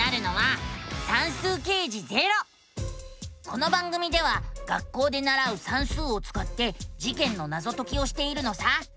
この番組では学校でならう「算数」をつかって事件のナゾ解きをしているのさ。